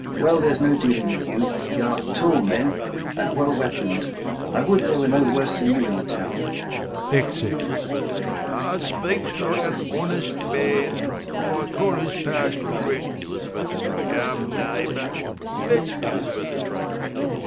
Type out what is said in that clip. Well, there's no dealing with you, y'are tall men, and well weapon' d ; I would there were no worse than you in the town, \_Exit. Second W. A speaks like an honest man, my cholei's past already. Come, neighbour, let's go.